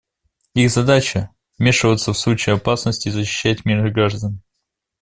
Их задача — вмешиваться в случае опасности и защищать мирных граждан.